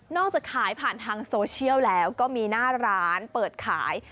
จากขายผ่านทางโซเชียลแล้วก็มีหน้าร้านเปิดขาย